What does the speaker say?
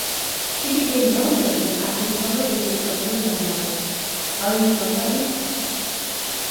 She became well known after the publication of her memoirs Are You Somebody?